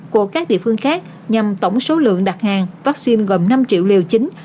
của các địa phương khác nhằm tổng số lượng đặt hàng vaccine gần năm triệu liều chính